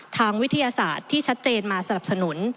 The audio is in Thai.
ทางวิทยาศาสตร์ที่ชัดเจนมาสนับสนุน